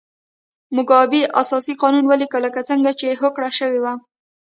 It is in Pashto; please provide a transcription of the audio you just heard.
موګابي اساسي قانون ولیکه لکه څنګه چې هوکړه شوې وه.